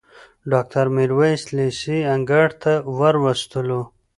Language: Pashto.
ډاکټر میرویس لېسې انګړ ته وروستلو.